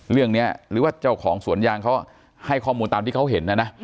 หรือว่าเจ้าของสวนยางเขาให้ข้อมูลตามที่เขาเห็นนะนะ